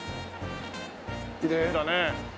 きれいだね。